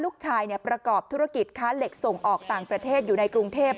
ประกอบธุรกิจค้าเหล็กส่งออกต่างประเทศอยู่ในกรุงเทพ